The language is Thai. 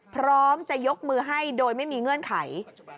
พร้อมจะยกมือให้โดยไม่มีเงื่อนไข